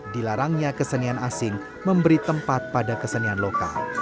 dilarangnya kesenian asing memberi tempat pada kesenian lokal